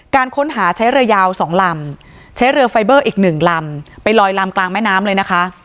การค้นหาใช้เรือยาว๒ลำใช้เรือไฟเบอร์อีกหนึ่งลำไปลอยลำกลางแม่น้ำเลยนะคะ